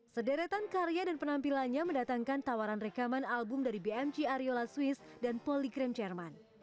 sederetan karya dan penampilannya mendatangkan tawaran rekaman album dari bmk aryola swiss dan poligram jerman